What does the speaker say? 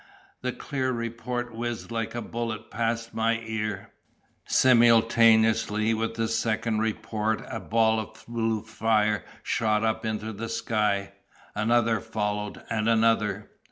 The clear report whizzed like a bullet past my ear. Simultaneously with the second report a ball of blue fire shot up into the sky. Another followed, and another.